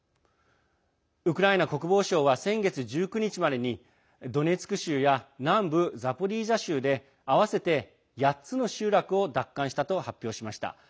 ウクライナ国防省は先月１９日までにドネツク州や南部ザポリージャ州で合わせて８つの集落を奪還したと発表しました。